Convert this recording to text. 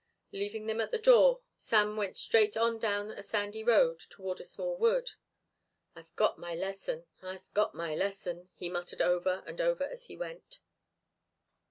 Leaving them at the door Sam went straight on down a sandy road toward a small wood. "I've got my lesson. I've got my lesson," he muttered over and over as he went.